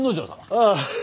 ああ。